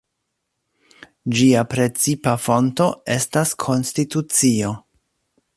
Ĝia precipa fonto estas konstitucio.